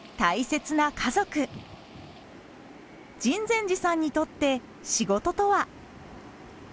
秦泉寺さんにとって仕事とは？